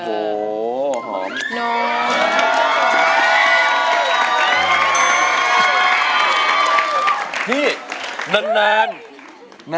โอ้โหหอม